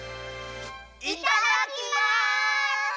いただきます！